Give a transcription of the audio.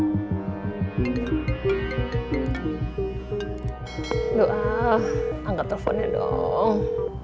aduh angkat telfonnya dong